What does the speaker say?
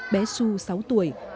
bé sue sống trong một trường